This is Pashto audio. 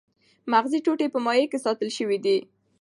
مغزي ټوټې په مایع کې ساتل شوې دي.